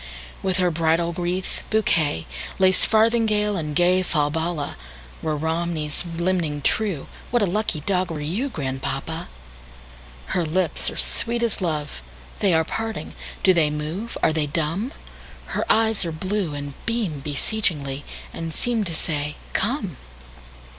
With her bridal wreath, bouquet, Lace farthingale, and gayFalbala, Were Romney's limning true, What a lucky dog were you, Grandpapa! Her lips are sweet as love; They are parting! Do they move? Are they dumb? Her eyes are blue, and beamBeseechingly, and seemTo say, "Come!"